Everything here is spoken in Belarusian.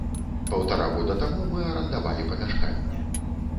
Паўтара года таму мы арандавалі памяшканне.